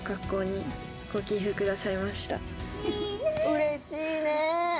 うれしいね。